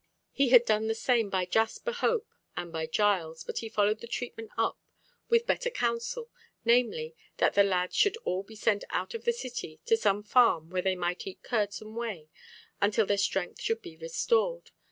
He had done the same by Jasper Hope, and by Giles, but he followed the treatment up with better counsel, namely, that the lads should all be sent out of the City to some farm where they might eat curds and whey, until their strength should be restored.